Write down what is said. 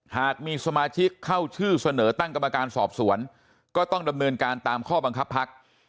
หากมีสมาชิกเข้าชื่อเสนอตั้งกรรมการสอบสวนก็ต้องดำเนินการตามข้อบังคับพัก